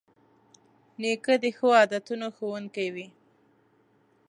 نیکه د ښو عادتونو ښوونکی وي.